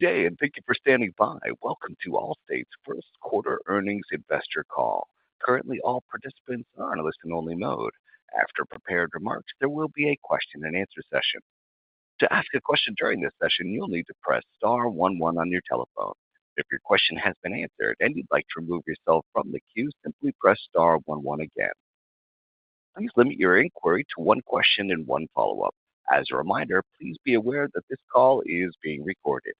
Good day, and thank you for standing by. Welcome to Allstate's first quarter earnings investor call. Currently, all participants are on a listen-only mode. After prepared remarks, there will be a question-and-answer session. To ask a question during this session, you'll need to press star one one on your telephone. If your question has been answered and you'd like to remove yourself from the queue, simply press star one one again. Please limit your inquiry to one question and one follow-up. As a reminder, please be aware that this call is being recorded.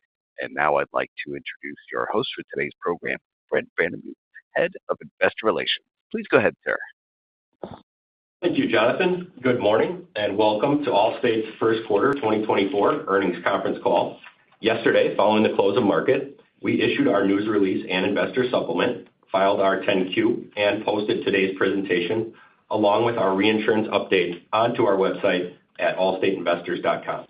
Now I'd like to introduce your host for today's program, Brent Brandenburg, Head of Investor Relations. Please go ahead, sir. Thank you, Jonathan. Good morning, and welcome to Allstate's first quarter 2024 earnings conference call. Yesterday, following the close of market, we issued our news release and investor supplement, filed our 10-Q, and posted today's presentation, along with our reinsurance update, onto our website at allstateinvestors.com.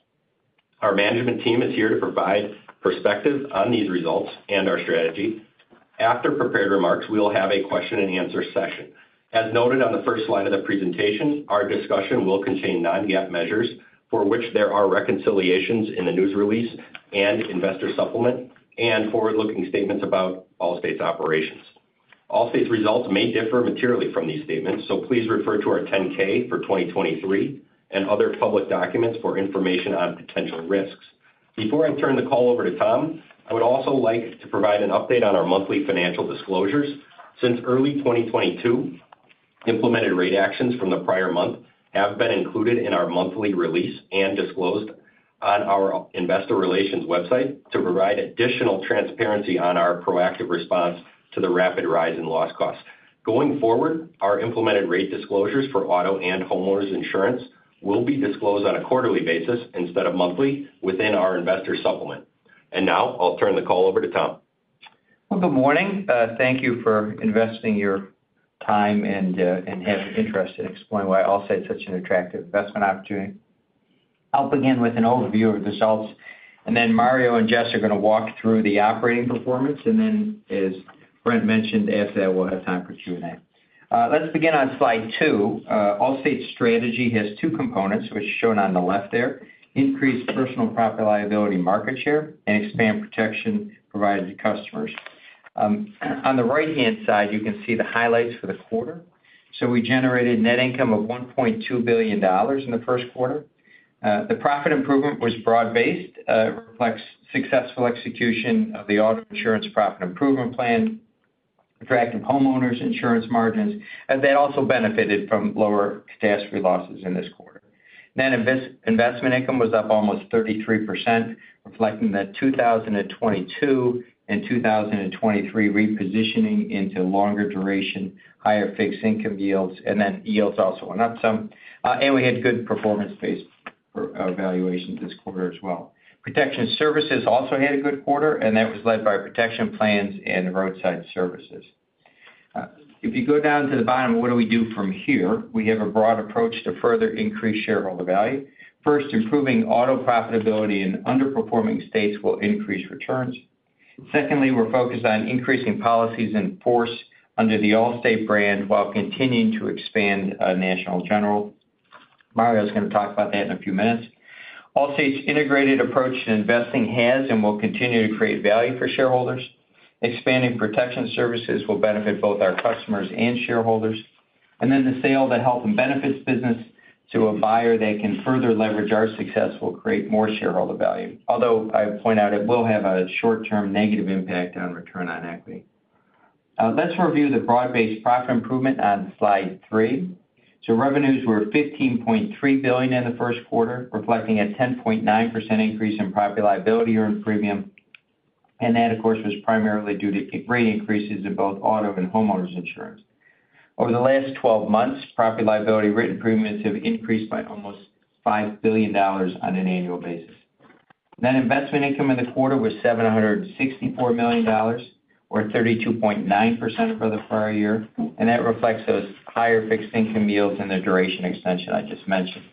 Our management team is here to provide perspective on these results and our strategy. After prepared remarks, we will have a question-and-answer session. As noted on the first slide of the presentation, our discussion will contain non-GAAP measures, for which there are reconciliations in the news release and investor supplement, and forward-looking statements about Allstate's operations. Allstate's results may differ materially from these statements, so please refer to our 10-K for 2023 and other public documents for information on potential risks. Before I turn the call over to Tom, I would also like to provide an update on our monthly financial disclosures. Since early 2022, implemented rate actions from the prior month have been included in our monthly release and disclosed on our Investor Relations website to provide additional transparency on our proactive response to the rapid rise in loss costs. Going forward, our implemented rate disclosures for auto and homeowners insurance will be disclosed on a quarterly basis instead of monthly within our investor supplement. Now, I'll turn the call over to Tom. Well, good morning. Thank you for investing your time and have interest in exploring why Allstate is such an attractive investment opportunity. I'll begin with an overview of the results, and then Mario and Jess are gonna walk through the operating performance, and then, as Brent mentioned, after that, we'll have time for Q&A. Let's begin on Slide 2. Allstate's strategy has two components, which is shown on the left there: increased personal property liability market share and expand protection provided to customers. On the right-hand side, you can see the highlights for the quarter. So we generated net income of $1.2 billion in the first quarter. The profit improvement was broad-based, reflects successful execution of the auto insurance profit improvement plan, attractive homeowners insurance margins, and that also benefited from lower catastrophe losses in this quarter. Net investment income was up almost 33%, reflecting that 2022 and 2023 repositioning into longer duration, higher fixed income yields, and then yields also went up some. And we had good performance based on valuations this quarter as well. Protection services also had a good quarter, and that was led by protection plans and roadside services. If you go down to the bottom, what do we do from here? We have a broad approach to further increase shareholder value. First, improving auto profitability in underperforming states will increase returns. Secondly, we're focused on increasing policies in force under the Allstate brand while continuing to expand National General. Mario is gonna talk about that in a few minutes. Allstate's integrated approach to investing has and will continue to create value for shareholders. Expanding protection services will benefit both our customers and shareholders. Then the sale, the Health and Benefits business to a buyer that can further leverage our success will create more shareholder value. Although, I point out, it will have a short-term negative impact on return on equity. Let's review the broad-based profit improvement on Slide 3. Revenues were $15.3 billion in the first quarter, reflecting a 10.9% increase in property liability earned premium, and that, of course, was primarily due to rate increases in both auto and homeowners insurance. Over the last 12 months, property liability written premiums have increased by almost $5 billion on an annual basis. Net investment income in the quarter was $764 million, or 32.9% for the prior year, and that reflects those higher fixed income yields and the duration extension I just mentioned.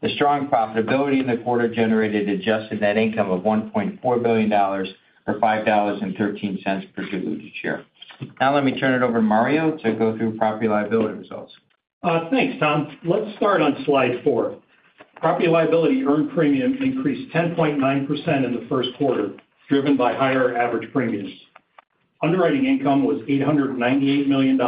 The strong profitability in the quarter generated adjusted net income of $1.4 billion, or $5.13 per diluted share. Now let me turn it over to Mario to go through Property-Liability results. Thanks, Tom. Let's start on Slide 4. Property-Liability earned premium increased 10.9% in the first quarter, driven by higher average premiums. Underwriting income was $898 million.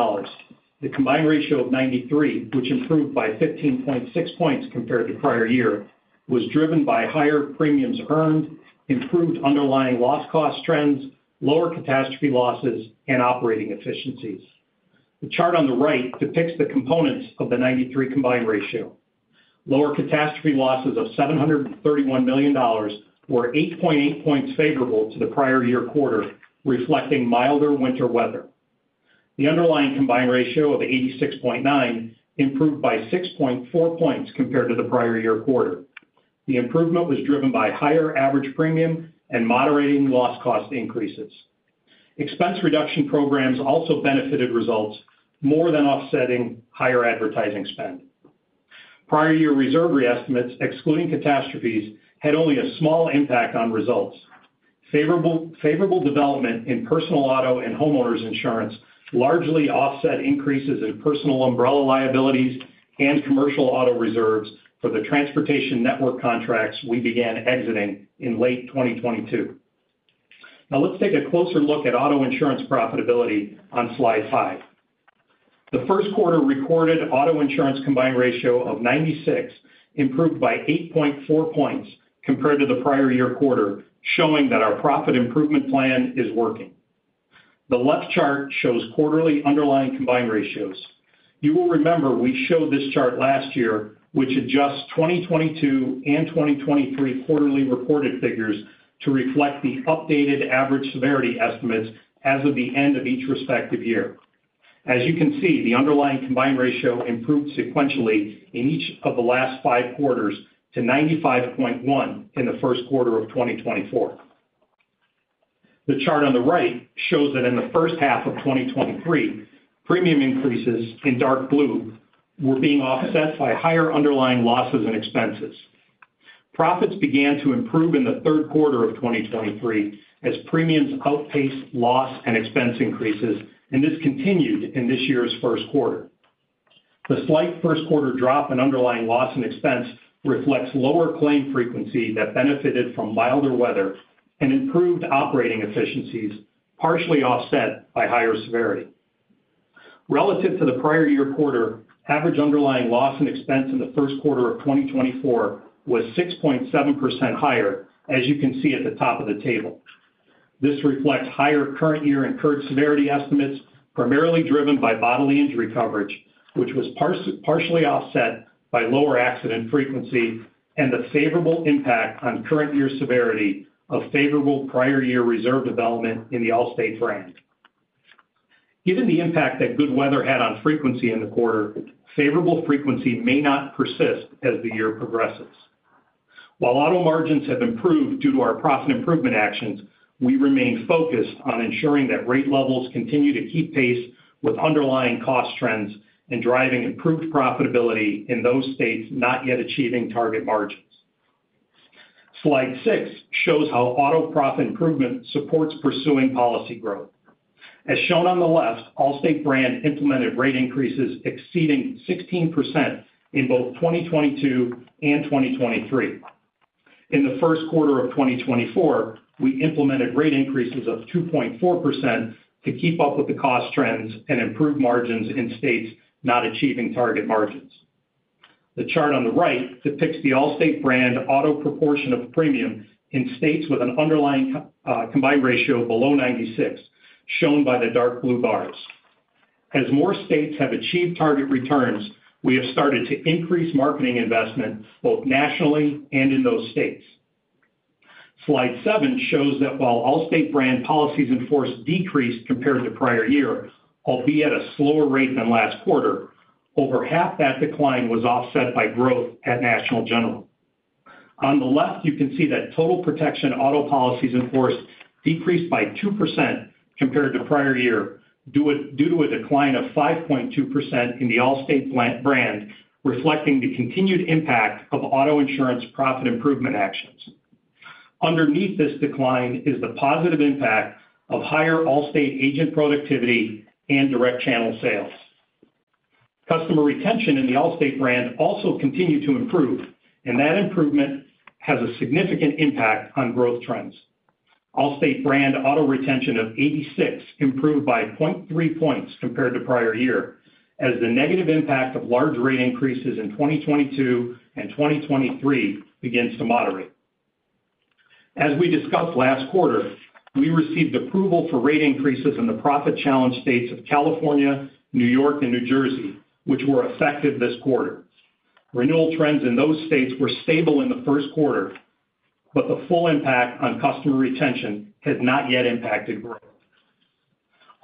The combined ratio of 93, which improved by 15.6 points compared to prior year, was driven by higher premiums earned, improved underlying loss cost trends, lower catastrophe losses, and operating efficiencies. The chart on the right depicts the components of the 93 combined ratio. Lower catastrophe losses of $731 million were 8.8 points favorable to the prior year quarter, reflecting milder winter weather. The underlying combined ratio of 86.9 improved by 6.4 points compared to the prior year quarter. The improvement was driven by higher average premium and moderating loss cost increases. Expense reduction programs also benefited results more than offsetting higher advertising spend. Prior year reserve re-estimates, excluding catastrophes, had only a small impact on results. Favorable development in personal auto and homeowners insurance largely offset increases in personal umbrella liabilities and commercial auto reserves for the transportation network contracts we began exiting in late 2022. Now let's take a closer look at auto insurance profitability on Slide 5. The first quarter recorded auto insurance combined ratio of 96 improved by 8.4 points compared to the prior year quarter, showing that our profit improvement plan is working. The left chart shows quarterly underlying combined ratios. You will remember we showed this chart last year, which adjusts 2022 and 2023 quarterly reported figures to reflect the updated average severity estimates as of the end of each respective year. As you can see, the underlying combined ratio improved sequentially in each of the last five quarters to 95.1 in the first quarter of 2024. The chart on the right shows that in the first half of 2023, premium increases in dark blue were being offset by higher underlying losses and expenses. Profits began to improve in the third quarter of 2023 as premiums outpaced loss and expense increases, and this continued in this year's first quarter. The slight first quarter drop in underlying loss and expense reflects lower claim frequency that benefited from milder weather and improved operating efficiencies, partially offset by higher severity. Relative to the prior year quarter, average underlying loss and expense in the first quarter of 2024 was 6.7% higher, as you can see at the top of the table. This reflects higher current year incurred severity estimates, primarily driven by bodily injury coverage, which was partially offset by lower accident frequency and the favorable impact on current year severity of favorable prior year reserve development in the Allstate brand. Given the impact that good weather had on frequency in the quarter, favorable frequency may not persist as the year progresses. While auto margins have improved due to our profit improvement actions, we remain focused on ensuring that rate levels continue to keep pace with underlying cost trends and driving improved profitability in those states not yet achieving target margins. Slide 6 shows how auto profit improvement supports pursuing policy growth. As shown on the left, Allstate brand implemented rate increases exceeding 16% in both 2022 and 2023. In the first quarter of 2024, we implemented rate increases of 2.4% to keep up with the cost trends and improve margins in states not achieving target margins. The chart on the right depicts the Allstate brand auto proportion of premium in states with an underlying combined ratio below 96, shown by the dark blue bars. As more states have achieved target returns, we have started to increase marketing investment both nationally and in those states. Slide 7 shows that while Allstate brand policies in force decreased compared to prior year, albeit at a slower rate than last quarter, over half that decline was offset by growth at National General. On the left, you can see that Total Protection auto policies in force decreased by 2% compared to prior year, due to a decline of 5.2% in the Allstate brand, reflecting the continued impact of auto insurance profit improvement actions. Underneath this decline is the positive impact of higher Allstate agent productivity and direct channel sales. Customer retention in the Allstate brand also continued to improve, and that improvement has a significant impact on growth trends. Allstate brand auto retention of 86 improved by 0.3 points compared to prior year, as the negative impact of large rate increases in 2022 and 2023 begins to moderate. As we discussed last quarter, we received approval for rate increases in the profit-challenged states of California, New York, and New Jersey, which were effective this quarter. Renewal trends in those states were stable in the first quarter, but the full impact on customer retention has not yet impacted growth.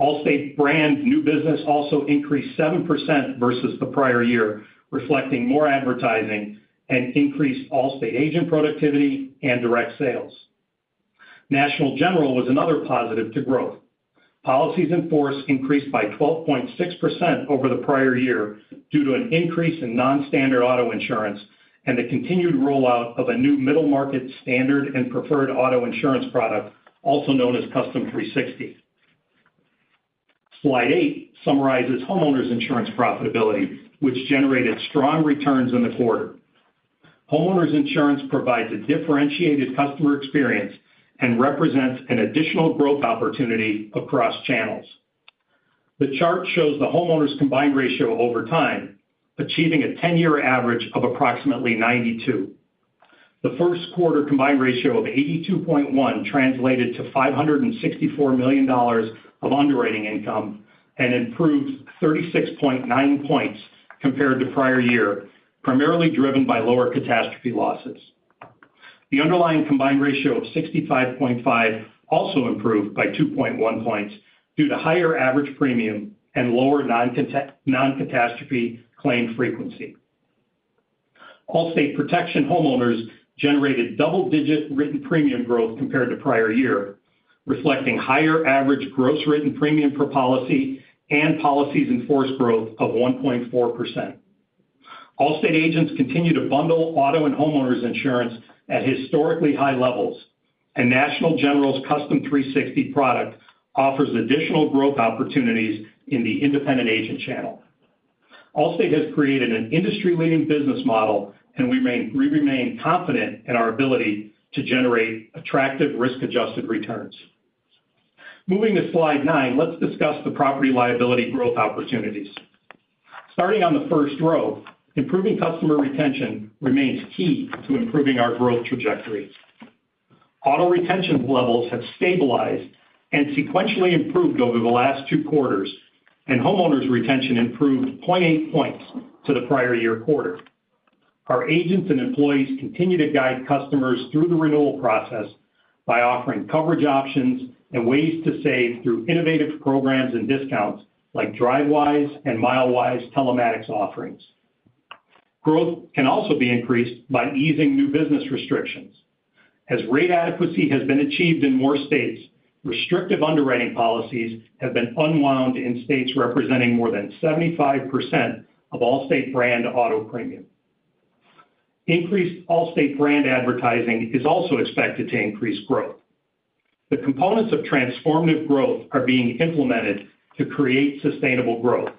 Allstate brand new business also increased 7% versus the prior year, reflecting more advertising and increased Allstate agent productivity and direct sales. National General was another positive to growth. Policies in force increased by 12.6% over the prior year due to an increase in non-standard auto insurance and the continued rollout of a new middle market standard and preferred auto insurance product, also known as Custom 360. Slide 8 summarizes homeowners insurance profitability, which generated strong returns in the quarter. Homeowners insurance provides a differentiated customer experience and represents an additional growth opportunity across channels. The chart shows the homeowners combined ratio over time, achieving a 10-year average of approximately 92. The first quarter combined ratio of 82.1 translated to $564 million of underwriting income and improved 36.9 points compared to prior year, primarily driven by lower catastrophe losses. The underlying combined ratio of 65.5 also improved by 2.1 points due to higher average premium and lower non-catastrophe claim frequency. Allstate Protection Homeowners generated double-digit written premium growth compared to prior year, reflecting higher average gross written premium per policy and policies in force growth of 1.4%. Allstate agents continue to bundle auto and homeowners insurance at historically high levels, and National General's Custom 360 product offers additional growth opportunities in the independent agent channel. Allstate has created an industry-leading business model, and we remain confident in our ability to generate attractive risk-adjusted returns. Moving to Slide 9, let's discuss the property liability growth opportunities. Starting on the first row, improving customer retention remains key to improving our growth trajectory. Auto retention levels have stabilized and sequentially improved over the last two quarters, and homeowners' retention improved 0.8 points to the prior-year quarter. Our agents and employees continue to guide customers through the renewal process by offering coverage options and ways to save through innovative programs and discounts, like Drivewise and Milewise telematics offerings. Growth can also be increased by easing new business restrictions. As rate adequacy has been achieved in more states, restrictive underwriting policies have been unwound in states representing more than 75% of Allstate brand auto premium. Increased Allstate brand advertising is also expected to increase growth. The components of Transformative Growth are being implemented to create sustainable growth.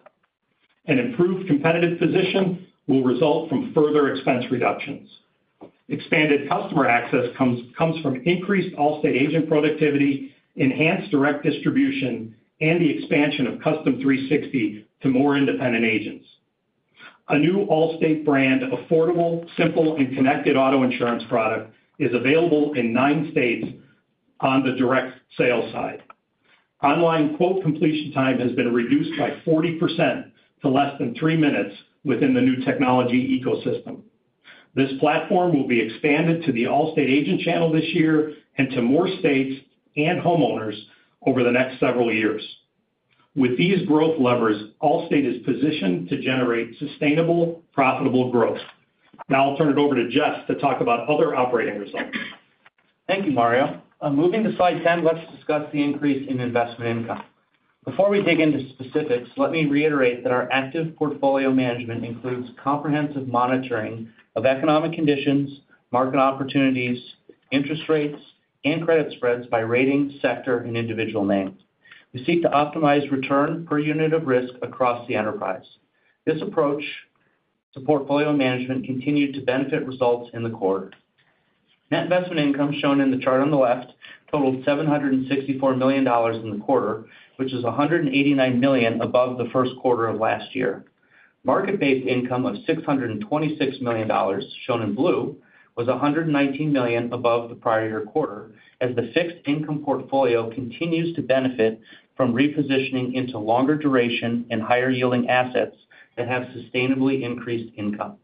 An improved competitive position will result from further expense reductions. Expanded customer access comes from increased Allstate agent productivity, enhanced direct distribution, and the expansion of Custom 360 to more independent agents. A new Allstate brand, affordable, simple, and connected auto insurance product, is available in 9 states on the direct sales side. Online quote completion time has been reduced by 40% to less than 3 minutes within the new technology ecosystem. This platform will be expanded to the Allstate agent channel this year and to more states and homeowners over the next several years. With these growth levers, Allstate is positioned to generate sustainable, profitable growth. Now I'll turn it over to Jess to talk about other operating results. Thank you, Mario. Moving to Slide 10, let's discuss the increase in investment income. Before we dig into specifics, let me reiterate that our active portfolio management includes comprehensive monitoring of economic conditions, market opportunities, interest rates, and credit spreads by rating, sector, and individual names. We seek to optimize return per unit of risk across the enterprise. This approach to portfolio management continued to benefit results in the quarter. Net investment income, shown in the chart on the left, totaled $764 million in the quarter, which is $189 million above the first quarter of last year. Market-based income of $626 million, shown in blue, was $119 million above the prior year quarter, as the fixed income portfolio continues to benefit from repositioning into longer duration and higher-yielding assets that have sustainably increased income.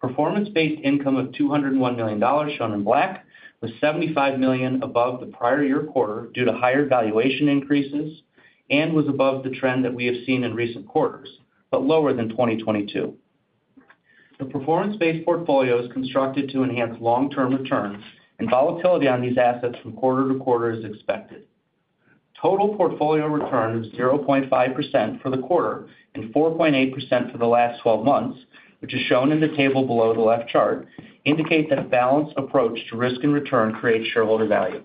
Performance-based income of $201 million, shown in black, was $75 million above the prior year quarter due to higher valuation increases and was above the trend that we have seen in recent quarters, but lower than 2022. The performance-based portfolio is constructed to enhance long-term returns, and volatility on these assets from quarter to quarter is expected. Total portfolio return of 0.5% for the quarter and 4.8% for the last twelve months, which is shown in the table below the left chart, indicate that a balanced approach to risk and return creates shareholder value.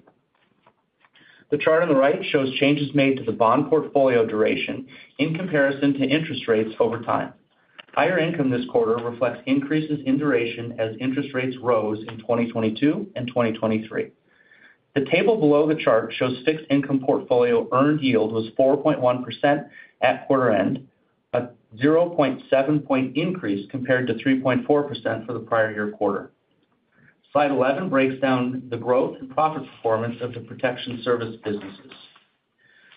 The chart on the right shows changes made to the bond portfolio duration in comparison to interest rates over time. Higher income this quarter reflects increases in duration as interest rates rose in 2022 and 2023. The table below the chart shows fixed income portfolio earned yield was 4.1% at quarter end, a 0.7-point increase compared to 3.4% for the prior year quarter. Slide 11 breaks down the growth and profit performance of the protection service businesses.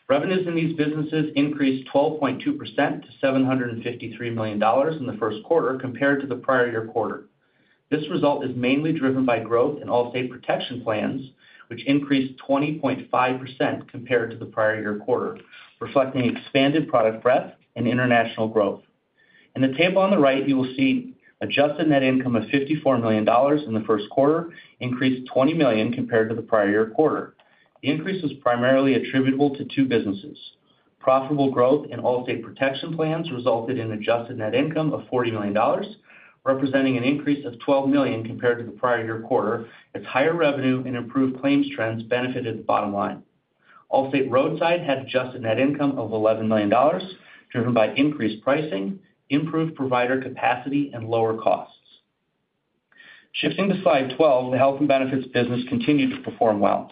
Revenues in these businesses increased 12.2% to $753 million in the first quarter compared to the prior year quarter. This result is mainly driven by growth in Allstate Protection Plans, which increased 20.5% compared to the prior year quarter, reflecting expanded product breadth and international growth. In the table on the right, you will see adjusted net income of $54 million in the first quarter, increased $20 million compared to the prior year quarter. The increase was primarily attributable to two businesses. Profitable growth in Allstate Protection Plans resulted in adjusted net income of $40 million, representing an increase of $12 million compared to the prior year quarter, as higher revenue and improved claims trends benefited the bottom line. Allstate Roadside had adjusted net income of $11 million, driven by increased pricing, improved provider capacity, and lower costs. Shifting to Slide 12, the Health and Benefits business continued to perform well.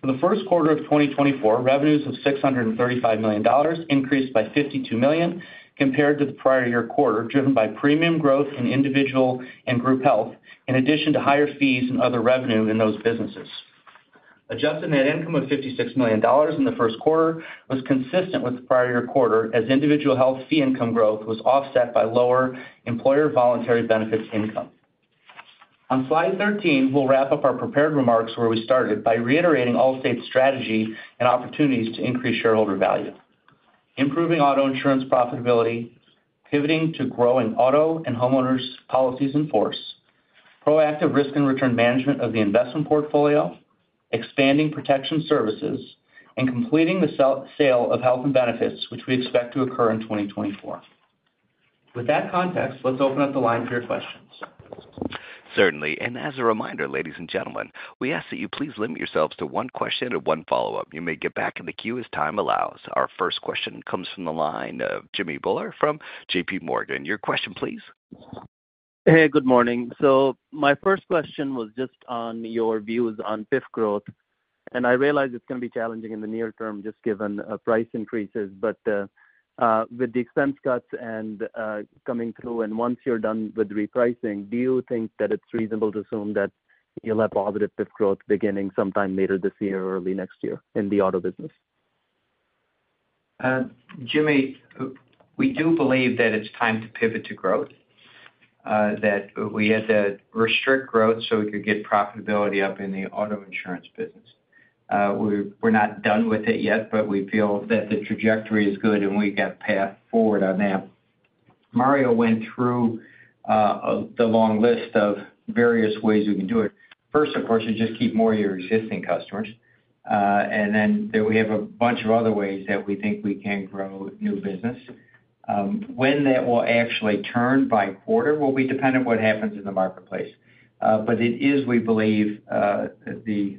For the first quarter of 2024, revenues of $635 million increased by $52 million compared to the prior year quarter, driven by premium growth in individual and group health, in addition to higher fees and other revenue in those businesses. Adjusted net income of $56 million in the first quarter was consistent with the prior year quarter, as individual health fee income growth was offset by lower employer voluntary benefits income. On Slide 13, we'll wrap up our prepared remarks where we started by reiterating Allstate's strategy and opportunities to increase shareholder value. Improving auto insurance profitability, pivoting to growing auto and homeowners policies in force, proactive risk and return management of the investment portfolio, expanding protection services, and completing the sale of Health and Benefits, which we expect to occur in 2024. With that context, let's open up the line for your questions. Certainly. As a reminder, ladies and gentlemen, we ask that you please limit yourselves to one question and one follow-up. You may get back in the queue as time allows. Our first question comes from the line of Jimmy Bhullar from J.P. Morgan. Your question, please? Hey, good morning. So my first question was just on your views on PIF growth, and I realize it's gonna be challenging in the near term, just given price increases. But with the expense cuts and coming through, and once you're done with repricing, do you think that it's reasonable to assume that you'll have positive PIF growth beginning sometime later this year or early next year in the auto business? Jimmy, we do believe that it's time to pivot to growth, that we had to restrict growth so we could get profitability up in the auto insurance business. We're not done with it yet, but we feel that the trajectory is good, and we've got path forward on that. Mario went through the long list of various ways we can do it. First, of course, you just keep more of your existing customers, and then we have a bunch of other ways that we think we can grow new business. When that will actually turn by quarter will be dependent on what happens in the marketplace. But it is, we believe, the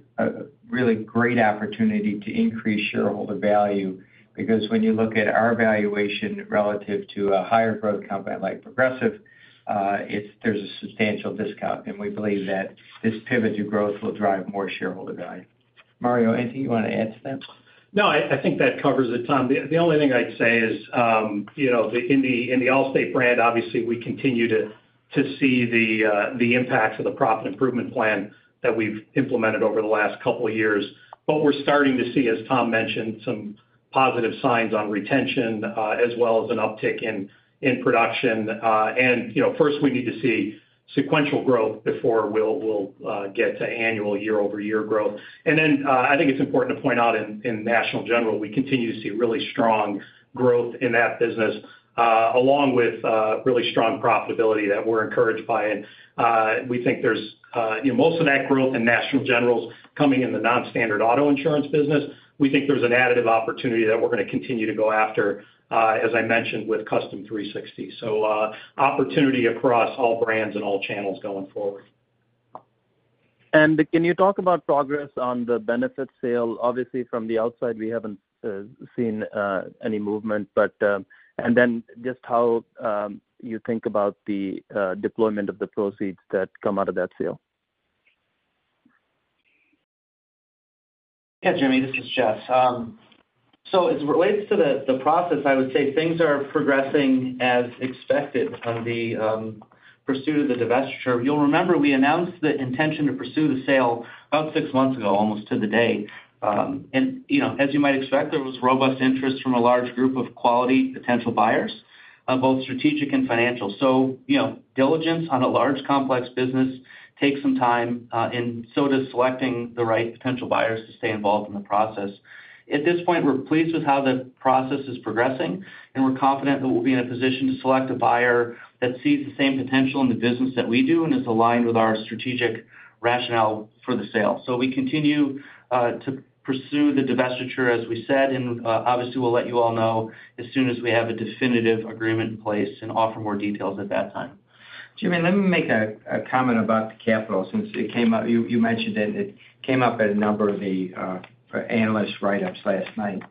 really great opportunity to increase shareholder value, because when you look at our valuation relative to a higher growth company like Progressive, it's, there's a substantial discount, and we believe that this pivot to growth will drive more shareholder value. Mario, anything you want to add to that? No, I think that covers it, Tom. The only thing I'd say is, you know, in the Allstate brand, obviously, we continue to see the impacts of the profit improvement plan that we've implemented over the last couple of years. But we're starting to see, as Tom mentioned, some positive signs on retention, as well as an uptick in production. And, you know, first, we need to see sequential growth before we'll get to annual year-over-year growth. And then, I think it's important to point out in National General, we continue to see really strong growth in that business, along with really strong profitability that we're encouraged by. And we think there's, you know, most of that growth in National General is coming in the non-standard auto insurance business. We think there's an additive opportunity that we're gonna continue to go after, as I mentioned, with Custom 360. So, opportunity across all brands and all channels going forward. Can you talk about progress on the benefit sale? Obviously, from the outside, we haven't seen any movement, but, and then just how you think about the deployment of the proceeds that come out of that sale? Yeah, Jimmy, this is Jess. So as it relates to the process, I would say things are progressing as expected on the pursuit of the divestiture. You'll remember we announced the intention to pursue the sale about six months ago, almost to the day. And, you know, as you might expect, there was robust interest from a large group of quality potential buyers, both strategic and financial. So, you know, diligence on a large, complex business takes some time, and so does selecting the right potential buyers to stay involved in the process. At this point, we're pleased with how the process is progressing, and we're confident that we'll be in a position to select a buyer that sees the same potential in the business that we do, and is aligned with our strategic rationale for the sale. So we continue to pursue the divestiture, as we said, and obviously, we'll let you all know as soon as we have a definitive agreement in place and offer more details at that time. Jimmy, let me make a comment about the capital, since it came up. You mentioned it, and it came up at a number of the analyst write-ups last night.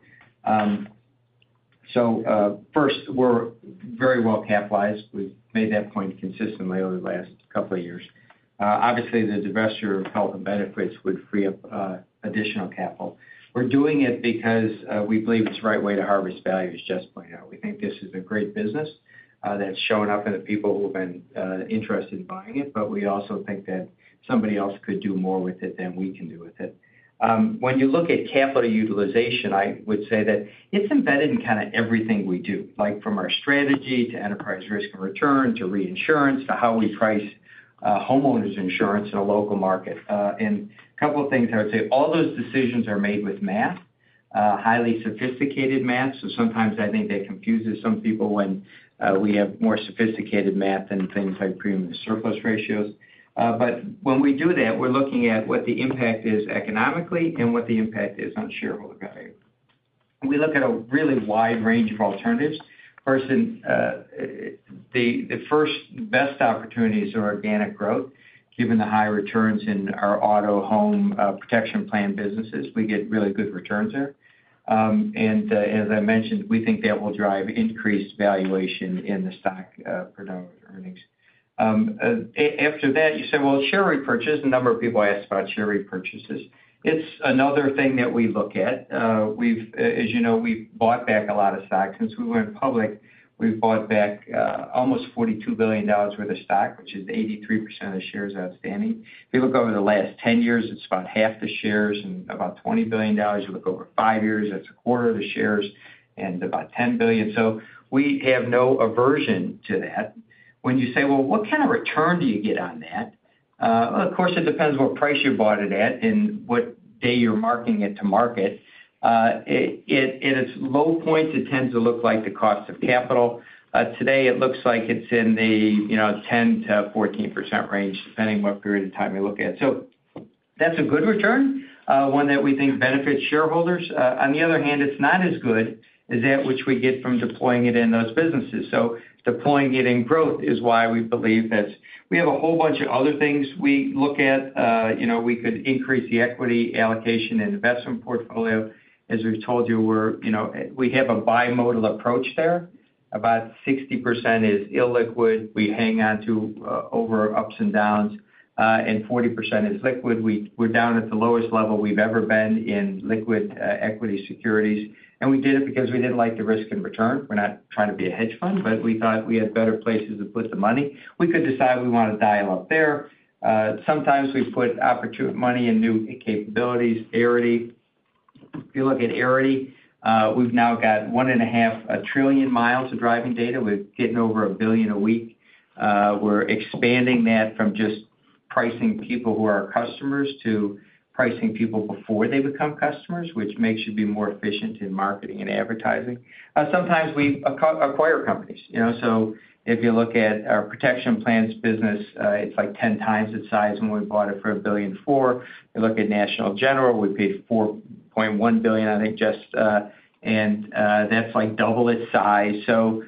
So, first, we're very well capitalized. We've made that point consistently over the last couple of years. Obviously, the divestiture of Health and Benefits would free up additional capital. We're doing it because we believe it's the right way to harvest value, as Jess pointed out. We think this is a great business, that's shown up in the people who have been interested in buying it, but we also think that somebody else could do more with it than we can do with it. When you look at capital utilization, I would say that it's embedded in kind of everything we do, like from our strategy to enterprise risk and return, to reinsurance, to how we price, homeowners insurance in a local market. And a couple of things I would say, all those decisions are made with math, highly sophisticated math. So sometimes I think that confuses some people when we have more sophisticated math than things like premium surplus ratios. But when we do that, we're looking at what the impact is economically and what the impact is on shareholder value. We look at a really wide range of alternatives. First, the first best opportunities are organic growth, given the high returns in our auto, home, protection plan businesses. We get really good returns there. As I mentioned, we think that will drive increased valuation in the stock, per dollar earnings. After that, you say, well, share repurchase, a number of people ask about share repurchases. It's another thing that we look at. As you know, we've bought back a lot of stock. Since we went public, we've bought back almost $42 billion worth of stock, which is 83% of shares outstanding. If you look over the last 10 years, it's about half the shares and about $20 billion. You look over 5 years, that's a quarter of the shares and about $10 billion. So we have no aversion to that. When you say, "Well, what kind of return do you get on that?" Of course, it depends what price you bought it at and what day you're marking it to market. At its low points, it tends to look like the cost of capital. Today, it looks like it's in the, you know, 10%-14% range, depending what period of time you look at. So, that's a good return, one that we think benefits shareholders. On the other hand, it's not as good as that which we get from deploying it in those businesses. So deploying it in growth is why we believe that's-- we have a whole bunch of other things we look at. You know, we could increase the equity allocation and investment portfolio. As we've told you, we're, you know, we have a bimodal approach there. About 60% is illiquid. We hang on to, over ups and downs, and 40% is liquid. We're down at the lowest level we've ever been in liquid equity securities, and we did it because we didn't like the risk and return. We're not trying to be a hedge fund, but we thought we had better places to put the money. We could decide we want to dial up there. Sometimes we put money in new capabilities. Arity, if you look at Arity, we've now got 1.5 trillion miles of driving data. We're getting over 1 billion a week. We're expanding that from just pricing people who are our customers to pricing people before they become customers, which makes you be more efficient in marketing and advertising. Sometimes we acquire companies, you know, so if you look at our protection plans business, it's like 10 times its size, and we bought it for $1.4 billion. You look at National General, we paid $4.1 billion, I think, just, and that's like double its size. So,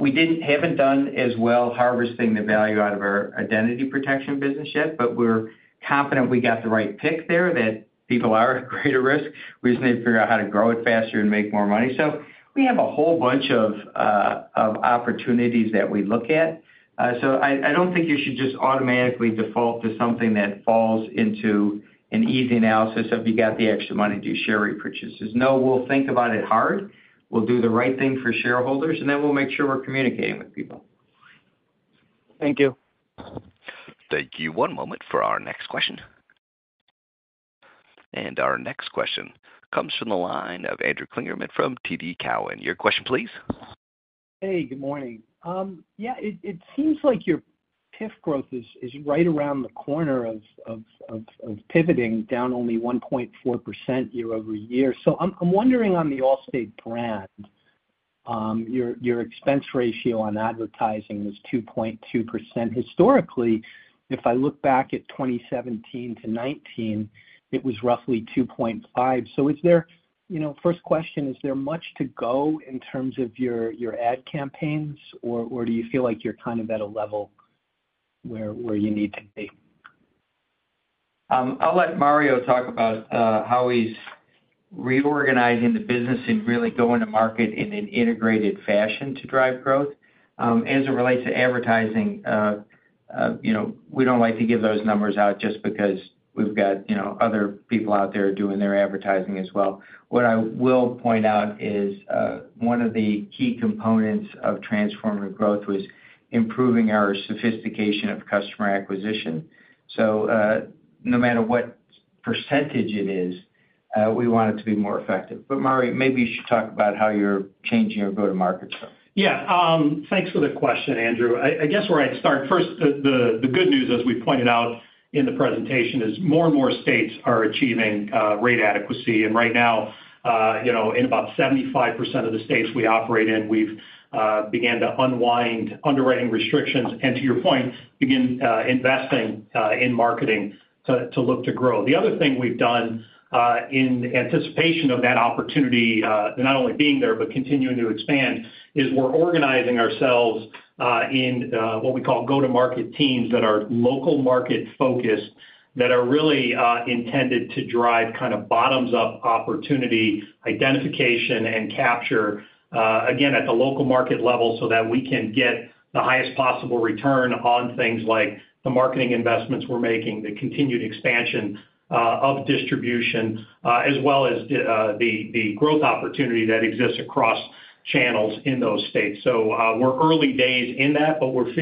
we haven't done as well harvesting the value out of our identity protection business yet, but we're confident we got the right pick there, that people are at greater risk. We just need to figure out how to grow it faster and make more money. So we have a whole bunch of opportunities that we look at. So I don't think you should just automatically default to something that falls into an easy analysis of you got the extra money, do share repurchases. No, we'll think about it hard. We'll do the right thing for shareholders, and then we'll make sure we're communicating with people. Thank you. Thank you. One moment for our next question. Our next question comes from the line of Andrew Kligerman from TD Cowen. Your question, please? Hey, good morning. Yeah, it seems like your PIF growth is right around the corner of pivoting down only 1.4% year-over-year. So I'm wondering, on the Allstate brand, your expense ratio on advertising is 2.2%. Historically, if I look back at 2017 to 2019, it was roughly 2.5. So is there, you know, first question, is there much to go in terms of your ad campaigns, or do you feel like you're kind of at a level where you need to be? I'll let Mario talk about how he's reorganizing the business and really going to market in an integrated fashion to drive growth. As it relates to advertising, you know, we don't like to give those numbers out just because we've got, you know, other people out there doing their advertising as well. What I will point out is one of the key components of Transformative Growth was improving our sophistication of customer acquisition. So, no matter what percentage it is, we want it to be more effective. But Mario, maybe you should talk about how you're changing your go-to-market stuff. Yeah, thanks for the question, Andrew. I guess, where I'd start first, the good news, as we pointed out in the presentation, is more and more states are achieving rate adequacy. And right now, you know, in about 75% of the states we operate in, we've began to unwind underwriting restrictions, and to your point, begin investing in marketing to look to grow. The other thing we've done, in anticipation of that opportunity, not only being there but continuing to expand, is we're organizing ourselves, in what we call go-to-market teams that are local market focused, that are really, intended to drive kind of bottoms-up opportunity, identification, and capture, again, at the local market level so that we can get the highest possible return on things like the marketing investments we're making, the continued expansion, of distribution, as well as the, the, the growth opportunity that exists across channels in those states. So, we're early days in that, but we're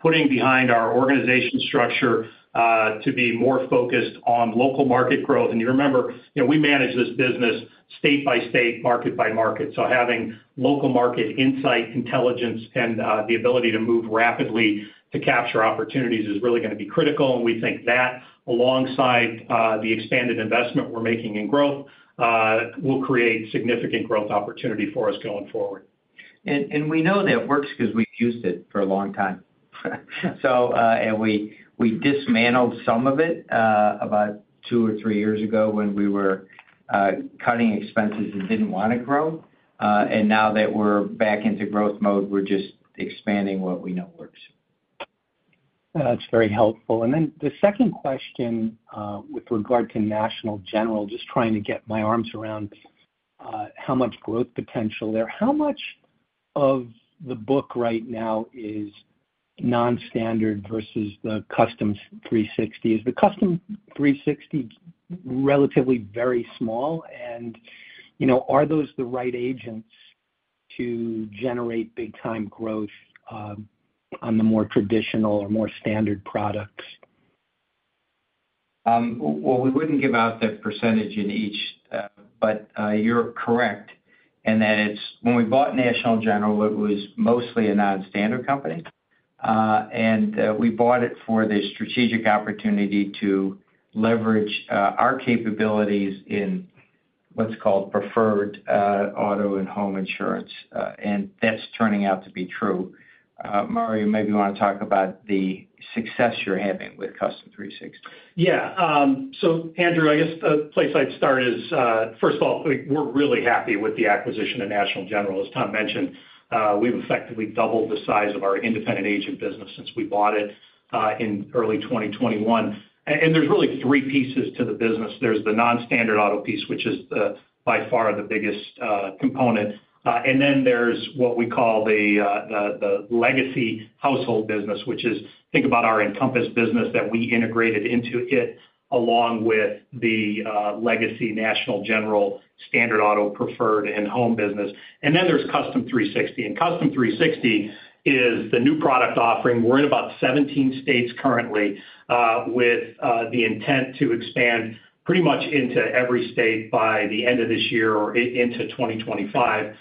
putting behind our organization structure, to be more focused on local market growth. And you remember, you know, we manage this business state by state, market by market. Having local market insight, intelligence, and the ability to move rapidly to capture opportunities is really gonna be critical. We think that alongside the expanded investment we're making in growth will create significant growth opportunity for us going forward. And we know that it works because we've used it for a long time. So, and we dismantled some of it about 2 or 3 years ago when we were cutting expenses and didn't want to grow. And now that we're back into growth mode, we're just expanding what we know works. That's very helpful. And then the second question, with regard to National General, just trying to get my arms around how much growth potential there. How much of the book right now is non-standard versus the Custom 360? Is the Custom 360 relatively very small, and you know, are those the right agents to generate big time growth on the more traditional or more standard products? Well, we wouldn't give out the percentage in each, but you're correct in that it's-- when we bought National General, it was mostly a non-standard company. And we bought it for the strategic opportunity to leverage our capabilities in what's called preferred auto and home insurance, and that's turning out to be true. Mario, maybe you want to talk about the success you're having with Custom 360. Yeah. So Andrew, I guess the place I'd start is, first of all, we're really happy with the acquisition of National General. As Tom mentioned, we've effectively doubled the size of our independent agent business since we bought it in early 2021. And there's really three pieces to the business. There's the non-standard auto piece, which is by far the biggest component. And then there's what we call the legacy household business, which is, think about our Encompass business that we integrated into it, along with the legacy National General, Standard Auto, Preferred, and Home business. And then there's Custom 360, and Custom 360 is the new product offering. We're in about 17 states currently, with the intent to expand pretty much into every state by the end of this year or into 2025.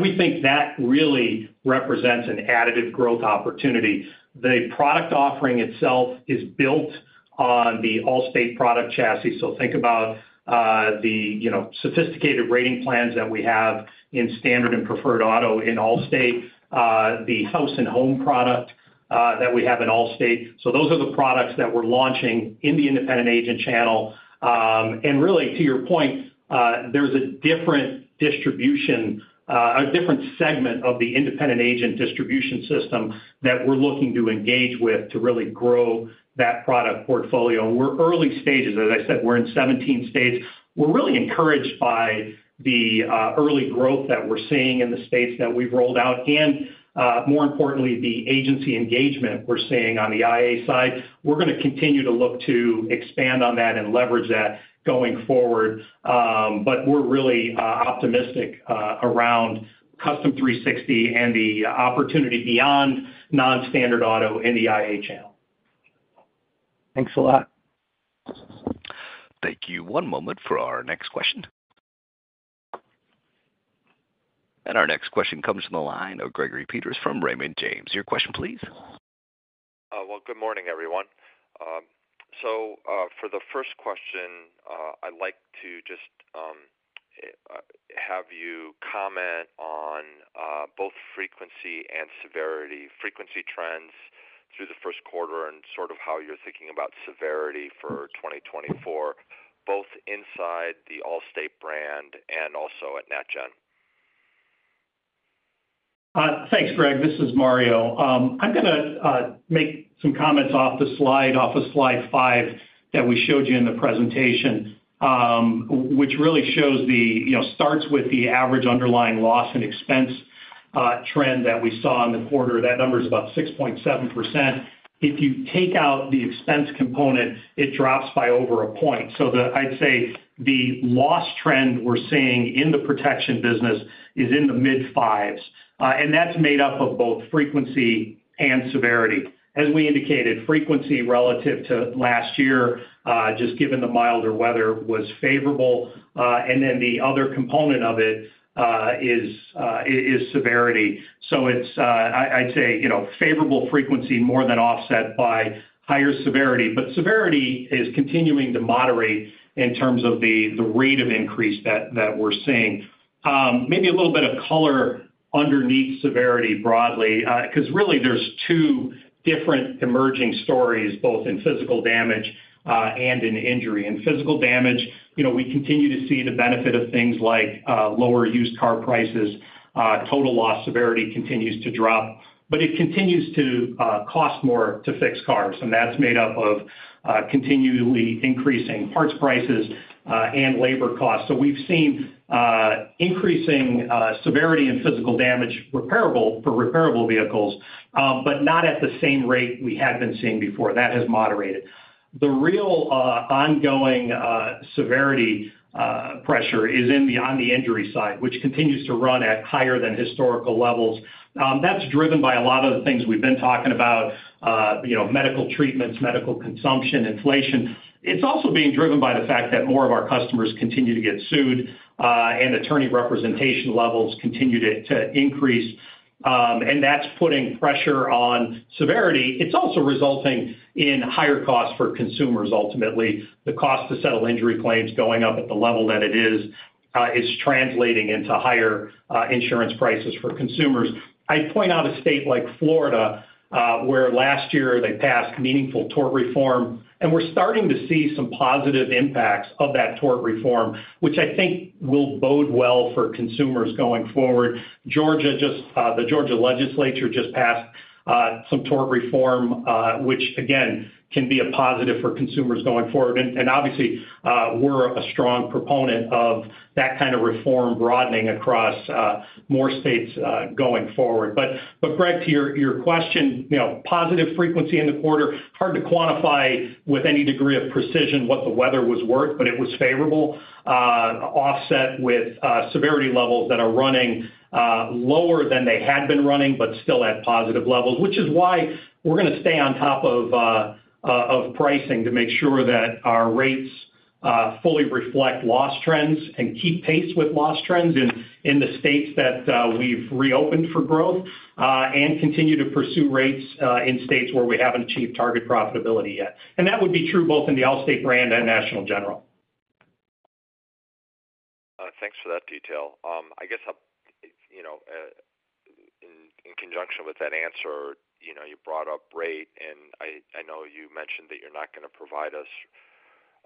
We think that really represents an additive growth opportunity. The product offering itself is built on the Allstate product chassis. So think about you know sophisticated rating plans that we have in Standard and Preferred Auto in Allstate, the House and Home product that we have in Allstate. So those are the products that we're launching in the independent agent channel. Really, to your point, there's a different distribution, a different segment of the independent agent distribution system that we're looking to engage with to really grow that product portfolio. We're early stages. As I said, we're in 17 states. We're really encouraged by the early growth that we're seeing in the states that we've rolled out, and more importantly, the agency engagement we're seeing on the IA side. We're gonna continue to look to expand on that and leverage that going forward. But we're really optimistic around Custom 360 and the opportunity beyond non-standard auto in the IA channel. Thanks a lot. Thank you. One moment for our next question. Our next question comes from the line of Gregory Peters from Raymond James. Your question, please. Well, good morning, everyone. So, for the first question, I'd like to just have you comment on both frequency and severity, frequency trends through the first quarter and sort of how you're thinking about severity for 2024, both inside the Allstate brand and also at NatGen. Thanks, Greg. This is Mario. I'm gonna make some comments off the slide, off of Slide 5, that we showed you in the presentation, which really shows the, you know, starts with the average underlying loss and expense trend that we saw in the quarter. That number is about 6.7%. If you take out the expense component, it drops by over a point. So, I'd say the loss trend we're seeing in the protection business is in the mid-fives, and that's made up of both frequency and severity. As we indicated, frequency relative to last year, just given the milder weather, was favorable, and then the other component of it is severity. So it's, I'd say, you know, favorable frequency more than offset by higher severity, but severity is continuing to moderate in terms of the rate of increase that we're seeing. Maybe a little bit of color underneath severity broadly, 'cause really, there's two different emerging stories, both in physical damage and in injury. In physical damage, you know, we continue to see the benefit of things like lower used car prices, total loss severity continues to drop, but it continues to cost more to fix cars, and that's made up of continually increasing parts prices and labor costs. So we've seen increasing severity in physical damage repairable, for repairable vehicles, but not at the same rate we had been seeing before. That has moderated. The real, ongoing, severity pressure is in beyond the injury side, which continues to run at higher than historical levels. That's driven by a lot of the things we've been talking about, you know, medical treatments, medical consumption, inflation. It's also being driven by the fact that more of our customers continue to get sued, and attorney representation levels continue to increase, and that's putting pressure on severity. It's also resulting in higher costs for consumers, ultimately. The cost to settle injury claims going up at the level that it is, is translating into higher, insurance prices for consumers. I'd point out a state like Florida, where last year they passed meaningful tort reform, and we're starting to see some positive impacts of that tort reform, which I think will bode well for consumers going forward. Georgia just, the Georgia legislature just passed some tort reform, which again can be a positive for consumers going forward. And obviously, we're a strong proponent of that kind of reform broadening across more states going forward. But Greg, to your question, you know, positive frequency in the quarter, hard to quantify with any degree of precision what the weather was worth, but it was favorable, offset with severity levels that are running lower than they had been running, but still at positive levels, which is why we're gonna stay on top of pricing to make sure that our rates fully reflect loss trends and keep pace with loss trends in the states that we've reopened for growth and continue to pursue rates in states where we haven't achieved target profitability yet. And that would be true both in the Allstate brand and National General. Thanks for details. I guess, you know, in conjunction with that answer, you know, you brought up rate, and I know you mentioned that you're not gonna provide us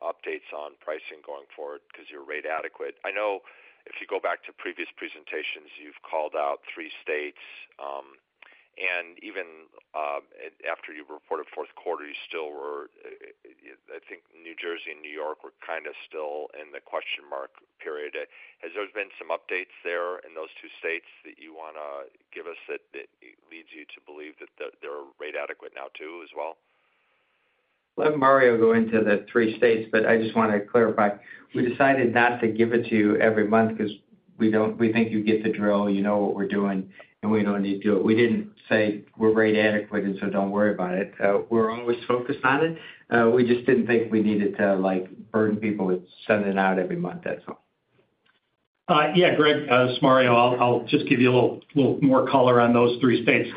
updates on pricing going forward because you're rate adequate. I know if you go back to previous presentations, you've called out three states. And even after you reported fourth quarter, you still were, I think New Jersey and New York were kind of still in the question mark period. Has there been some updates there in those two states that you want to give us, that leads you to believe that they're rate adequate now, too, as well? Let Mario go into the three states, but I just want to clarify. We decided not to give it to you every month because we don't, we think you get the drill, you know what we're doing, and we don't need to. We didn't say we're rate adequate, and so don't worry about it. We're always focused on it. We just didn't think we needed to, like, burden people with sending it out every month. That's all. Yeah, Greg, this is Mario. I'll, I'll just give you a little, little more color on those three states.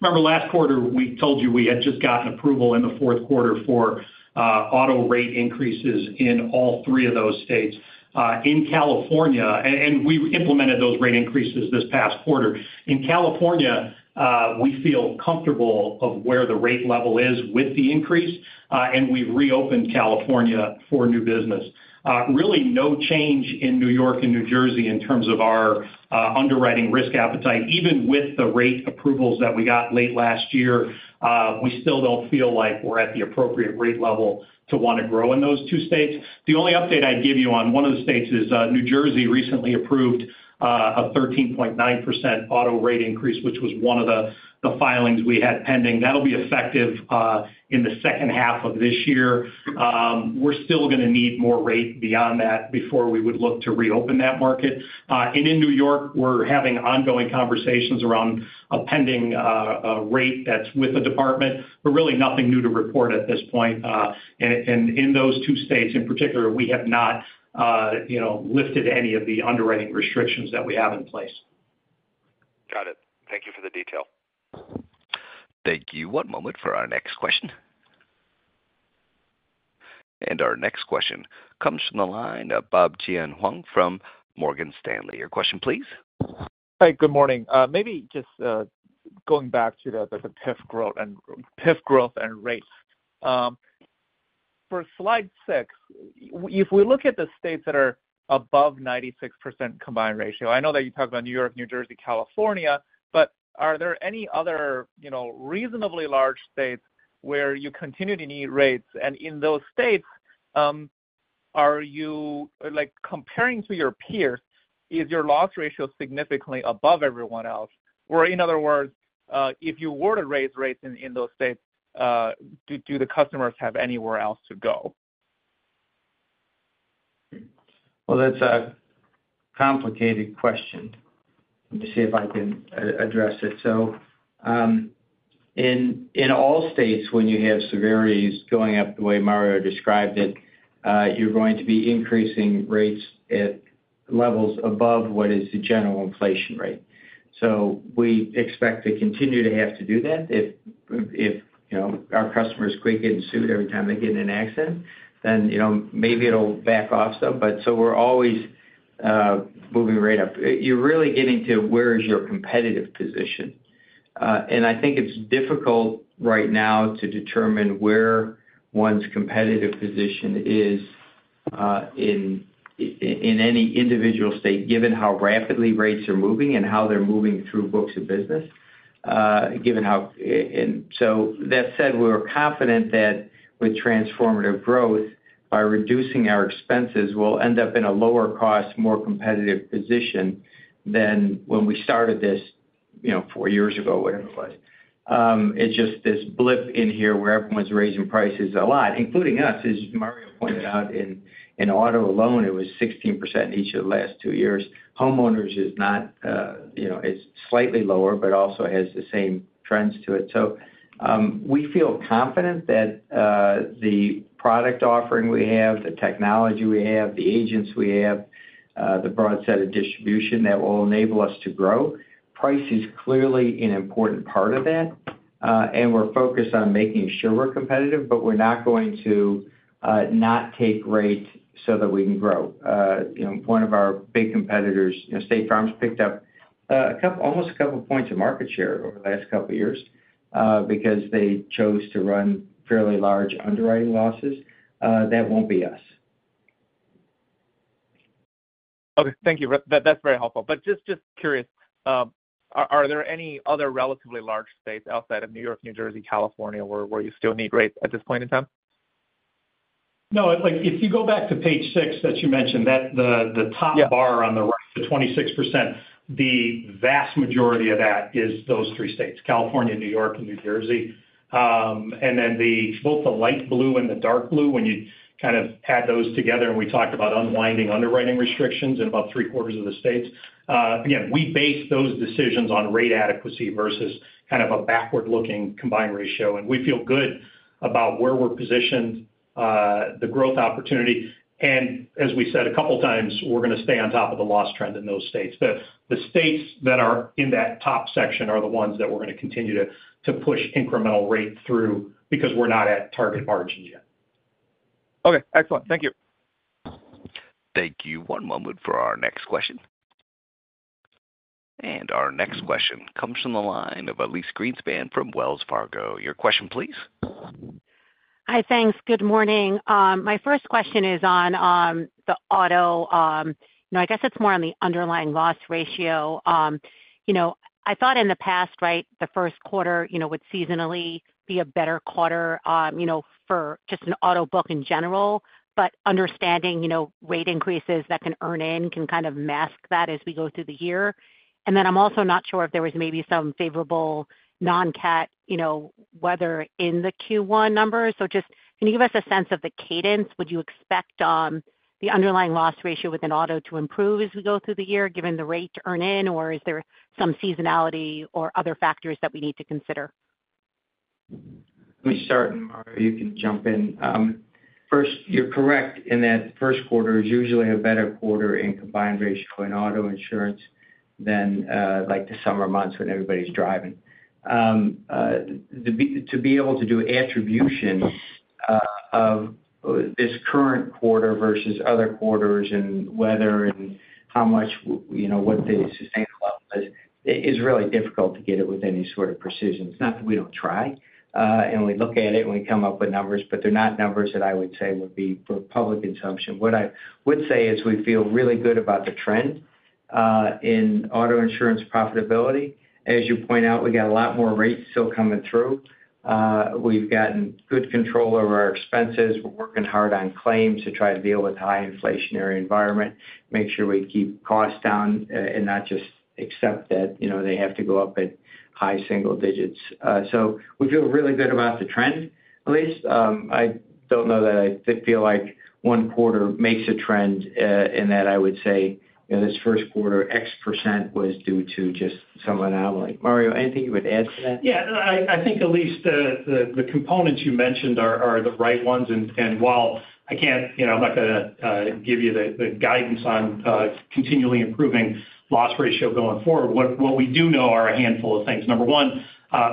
Remember last quarter, we told you we had just gotten approval in the fourth quarter for auto rate increases in all three of those states. In California, and we implemented those rate increases this past quarter. In California, we feel comfortable of where the rate level is with the increase, and we've reopened California for new business. Really no change in New York and New Jersey in terms of our underwriting risk appetite. Even with the rate approvals that we got late last year, we still don't feel like we're at the appropriate rate level to want to grow in those two states. The only update I'd give you on one of the states is, New Jersey recently approved a 13.9% auto rate increase, which was one of the filings we had pending. That'll be effective in the second half of this year. We're still gonna need more rate beyond that before we would look to reopen that market. And in New York, we're having ongoing conversations around a pending rate that's with the department, but really nothing new to report at this point. And in those two states in particular, we have not, you know, lifted any of the underwriting restrictions that we have in place. Got it. Thank you for the detail. Thank you. One moment for our next question. Our next question comes from the line of Bob Huang from Morgan Stanley. Your question, please. Hi, good morning. Maybe just going back to the PIF growth and rates. For Slide 6, if we look at the states that are above 96% combined ratio, I know that you talked about New York, New Jersey, California, but are there any other, you know, reasonably large states where you continue to need rates? And in those states, are you—like, comparing to your peers, is your loss ratio significantly above everyone else? Or in other words, if you were to raise rates in those states, do the customers have anywhere else to go? Well, that's a complicated question. Let me see if I can address it. So, in all states, when you have severities going up the way Mario described it, you're going to be increasing rates at levels above what is the general inflation rate. So we expect to continue to have to do that. If you know, our customers quick to sue every time they get in an accident, then, you know, maybe it'll back off some, but so we're always moving rate up. You're really getting to where is your competitive position? And I think it's difficult right now to determine where one's competitive position is, in any individual state, given how rapidly rates are moving and how they're moving through books of business, given how. And so that said, we're confident that with Transformative Growth, by reducing our expenses, we'll end up in a lower cost, more competitive position than when we started this, you know, four years ago, whatever it was. It's just this blip in here where everyone's raising prices a lot, including us. As Mario pointed out, in auto alone, it was 16% each of the last two years. Homeowners is not, you know, it's slightly lower, but also has the same trends to it. So, we feel confident that the product offering we have, the technology we have, the agents we have, the broad set of distribution that will enable us to grow. Price is clearly an important part of that, and we're focused on making sure we're competitive, but we're not going to not take rate so that we can grow. You know, one of our big competitors, you know, State Farm, has picked up almost a couple points of market share over the last couple of years, because they chose to run fairly large underwriting losses. That won't be us. Okay. Thank you. That, that's very helpful. But just curious, are there any other relatively large states outside of New York, New Jersey, California, where you still need rates at this point in time? No, like, if you go back to page six that you mentioned, that the Yeah Top bar on the right, the 26%, the vast majority of that is those three states, California, New York and New Jersey. And then both the light blue and the dark blue, when you kind of add those together, and we talked about unwinding underwriting restrictions in about three quarters of the states. Again, we base those decisions on rate adequacy versus kind of a backward-looking combined ratio, and we feel good about where we're positioned, the growth opportunity. And as we said a couple times, we're gonna stay on top of the loss trend in those states. The states that are in that top section are the ones that we're gonna continue to push incremental rate through because we're not at target margins yet. Okay, excellent. Thank you. Thank you. One moment for our next question. Our next question comes from the line of Elyse Greenspan from Wells Fargo. Your question, please? Hi, thanks. Good morning. My first question is on the auto, you know, I guess it's more on the underlying loss ratio. You know, I thought in the past, right, the first quarter, you know, would seasonally be a better quarter, you know, for just an auto book in general, but understanding, you know, rate increases that can earn in can kind of mask that as we go through the year. And then I'm also not sure if there was maybe some favorable non-cat, you know, weather in the Q1 numbers. So just, can you give us a sense of the cadence? Would you expect the underlying loss ratio within auto to improve as we go through the year, given the rate to earn in, or is there some seasonality or other factors that we need to consider? Let me start, and Mario, you can jump in. First, you're correct in that the first quarter is usually a better quarter in combined ratio in auto insurance than, like, the summer months when everybody's driving. To be able to do attribution of this current quarter versus other quarters and weather and how much, you know, what the sustainable is, it is really difficult to get it with any sort of precision. It's not that we don't try, and we look at it, and we come up with numbers, but they're not numbers that I would say would be for public consumption. What I would say is we feel really good about the trend in auto insurance profitability. As you point out, we got a lot more rates still coming through. We've gotten good control over our expenses. We're working hard on claims to try to deal with the high inflationary environment, make sure we keep costs down, and not just accept that, you know, they have to go up at high single digits. So we feel really good about the trend, at least. I don't know that I feel like one quarter makes a trend, in that I would say, you know, this first quarter, X% was due to just some one-off. Mario, anything you would add to that? Yeah, I think, Elyse, the components you mentioned are the right ones. While I can't, you know, I'm not going to give you the guidance on continually improving loss ratio going forward, what we do know are a handful of things. Number one,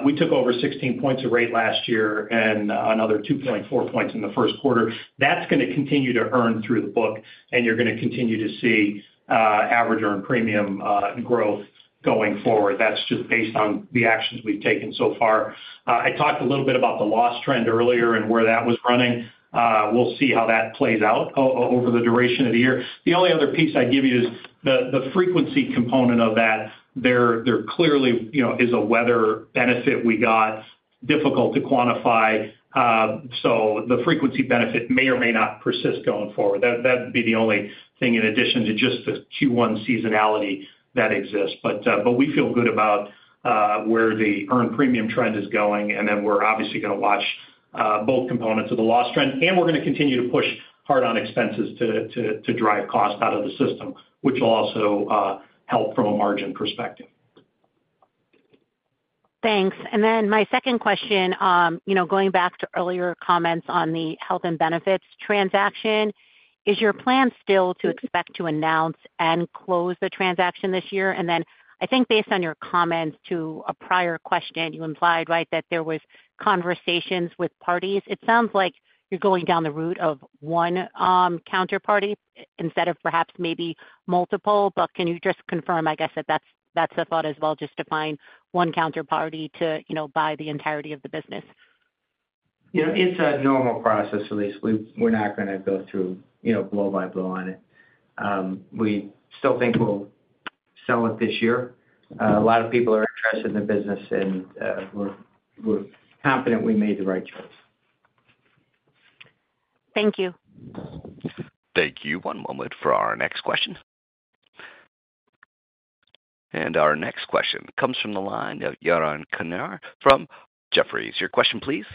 we took over 16 points of rate last year and another 2.4 points in the first quarter. That's going to continue to earn through the book, and you're going to continue to see average earned premium growth going forward. That's just based on the actions we've taken so far. I talked a little bit about the loss trend earlier and where that was running. We'll see how that plays out over the duration of the year. The only other piece I'd give you is the frequency component of that. There clearly, you know, is a weather benefit we got, difficult to quantify. So the frequency benefit may or may not persist going forward. That'd be the only thing in addition to just the Q1 seasonality that exists. But, but we feel good about where the earned premium trend is going, and then we're obviously going to watch both components of the loss trend, and we're going to continue to push hard on expenses to drive costs out of the system, which will also help from a margin perspective. Thanks. And then my second question, you know, going back to earlier comments on the Health and Benefits transaction, is your plan still to expect to announce and close the transaction this year? And then I think based on your comments to a prior question, you implied, right, that there was conversations with parties. It sounds like you're going down the route of one, counterparty instead of perhaps maybe multiple, but can you just confirm, I guess, that that's, that's the thought as well, just to find one counterparty to, you know, buy the entirety of the business? You know, it's a normal process, Elyse. We're not going to go through, you know, blow by blow on it. We still think we'll sell it this year. A lot of people are interested in the business, and we're confident we made the right choice. Thank you. Thank you. One moment for our next question. Our next question comes from the line of Yaron Kinar from Jefferies. Your question, please.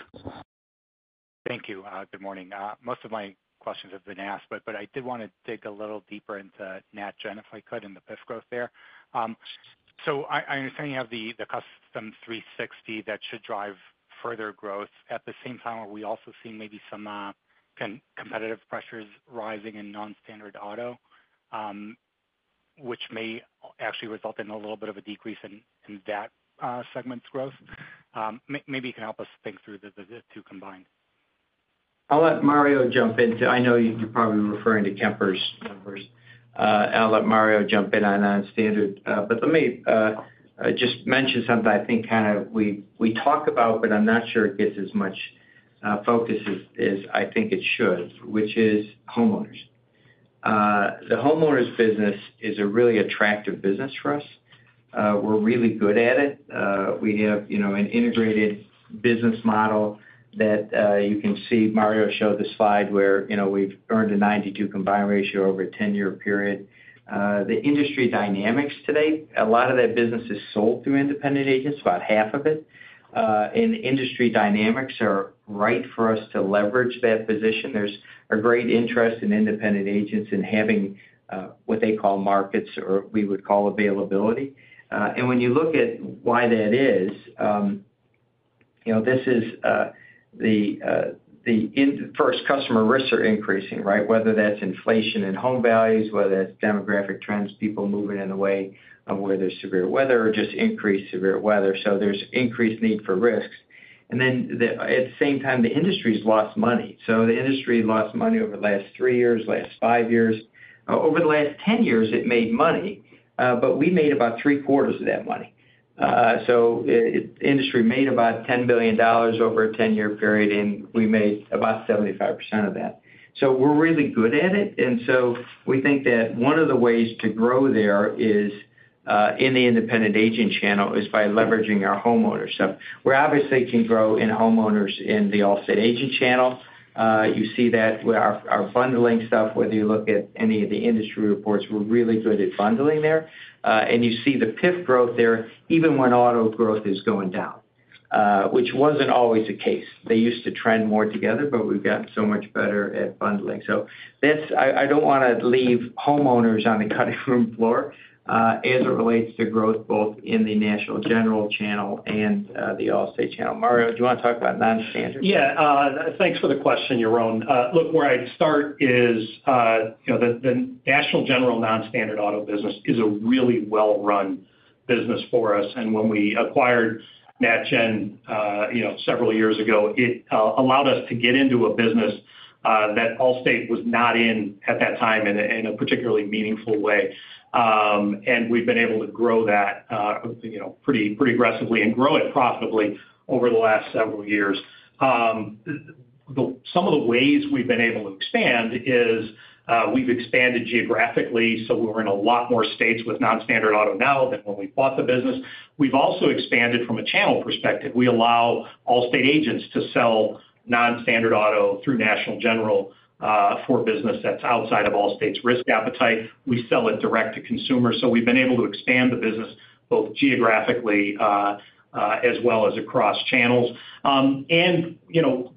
Thank you. Good morning. Most of my questions have been asked, but, but I did want to dig a little deeper into NatGen, if I could, and the PIF growth there. So I, I understand you have the, the Custom 360 that should drive further growth. At the same time, are we also seeing maybe some competitive pressures rising in non-standard auto, which may actually result in a little bit of a decrease in, in that segment's growth? Maybe you can help us think through the, the two combined. I'll let Mario jump in. I know you're probably referring to Kemper's numbers. I'll let Mario jump in on non-standard. But let me just mention something I think kind of we talk about, but I'm not sure it gets as much focus as I think it should, which is homeowners. The homeowners business is a really attractive business for us. We're really good at it. We have, you know, an integrated business model that you can see Mario show the slide where, you know, we've earned a 92 combined ratio over a 10-year period. The industry dynamics today, a lot of that business is sold through independent agents, about half of it. And industry dynamics are right for us to leverage that position. There's a great interest in independent agents in having, what they call markets or we would call availability. And when you look at why that is, you know, this is, customer risks are increasing, right? Whether that's inflation in home values, whether that's demographic trends, people moving in the way of where there's severe weather or just increased severe weather. So there's increased need for risk. And then, at the same time, the industry's lost money. So the industry lost money over the last 3 years, 5 years. Over the last 10 years, it made money, but we made about three quarters of that money. So the industry made about $10 billion over a 10-year period, and we made about 75% of that. So we're really good at it, and so we think that one of the ways to grow there is in the independent agent channel, is by leveraging our homeowners. So we obviously can grow in homeowners in the Allstate agent channel. You see that with our bundling stuff, whether you look at any of the industry reports, we're really good at bundling there. And you see the PIF growth there, even when auto growth is going down, which wasn't always the case. They used to trend more together, but we've gotten so much better at bundling. So this, I don't wanna leave homeowners on the cutting room floor, as it relates to growth, both in the National General channel and the Allstate channel. Mario, do you want to talk about non-standards? Yeah, thanks for the question, Yaron. Look, where I'd start is, you know, the National General Non-Standard Auto business is a really well-run business for us. And when we acquired NatGen, you know, several years ago, it allowed us to get into a business that Allstate was not in at that time in a particularly meaningful way. And we've been able to grow that, you know, pretty aggressively and grow it profitably over the last several years. Some of the ways we've been able to expand is, we've expanded geographically, so we're in a lot more states with non-standard auto now than when we bought the business. We've also expanded from a channel perspective. We allow Allstate agents to sell non-standard auto through National General, for business that's outside of Allstate's risk appetite. We sell it direct to consumer. So we've been able to expand the business both geographically, as well as across channels. And, you know,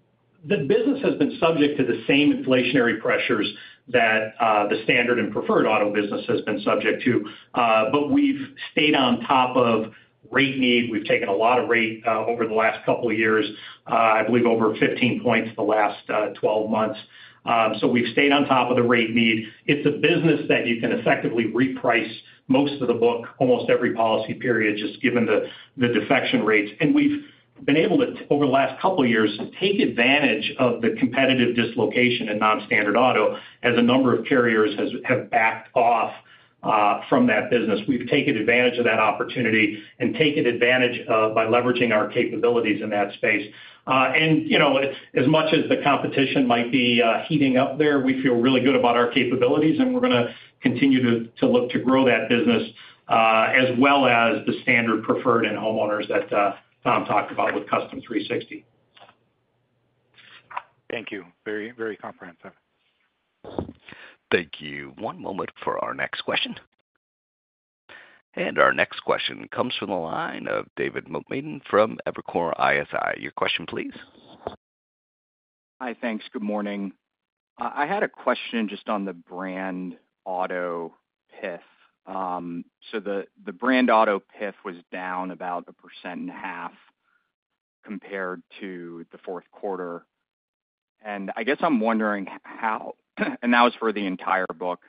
the business has been subject to the same inflationary pressures that the standard and preferred auto business has been subject to. But we've stayed on top of rate need. We've taken a lot of rate over the last couple of years, I believe over 15 points the last 12 months. So we've stayed on top of the rate need. It's a business that you can effectively reprice most of the book, almost every policy period, just given the defection rates. We've been able to, over the last couple of years, take advantage of the competitive dislocation in non-standard auto, as a number of carriers have backed off from that business. We've taken advantage of that opportunity and taken advantage by leveraging our capabilities in that space. And, you know, as much as the competition might be heating up there, we feel really good about our capabilities, and we're gonna continue to look to grow that business, as well as the standard preferred and homeowners that Tom talked about with Custom 360. Thank you. Very, very comprehensive. Thank you. One moment for our next question. Our next question comes from the line of David Motemaden from Evercore ISI. Your question, please. Hi, thanks. Good morning. I had a question just on the brand auto PIF. So the, the brand auto PIF was down about 1.5% compared to the fourth quarter. And I guess I'm wondering how- and that was for the entire book,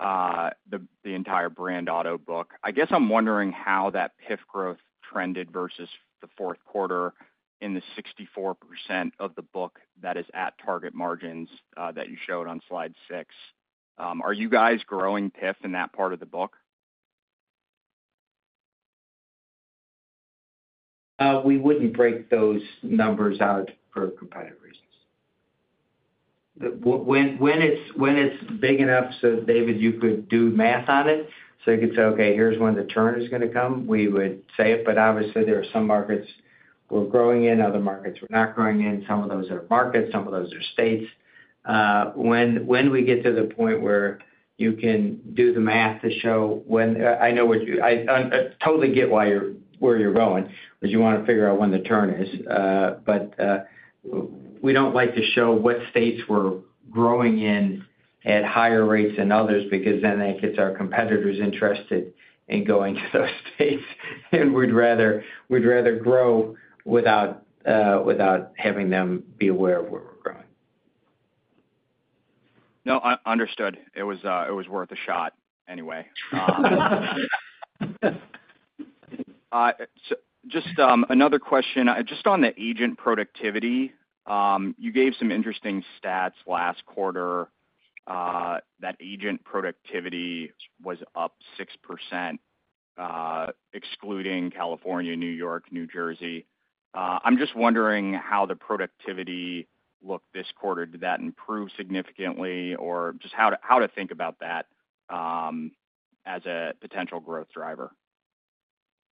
the, the entire brand auto book. I guess I'm wondering how that PIF growth trended versus the fourth quarter in the 64% of the book that is at target margins, that you showed on Slide 6. Are you guys growing PIF in that part of the book? We wouldn't break those numbers out for competitive reasons. When it's big enough, so David, you could do math on it, so you could say, "Okay, here's when the turn is gonna come," we would say it, but obviously, there are some markets we're growing in, other markets we're not growing in. Some of those are markets, some of those are states. When we get to the point where you can do the math to show when. I know what you're going. I totally get where you're going, because you wanna figure out when the turn is. But we don't like to show what states we're growing in at higher rates than others, because then that gets our competitors interested in going to those states. We'd rather grow without having them be aware of where we're growing. No, understood. It was, it was worth a shot anyway. So just, another question, just on the agent productivity. You gave some interesting stats last quarter, that agent productivity was up 6%, excluding California, New York, New Jersey. I'm just wondering how the productivity looked this quarter. Did that improve significantly? Or just how to, how to think about that, as a potential growth driver.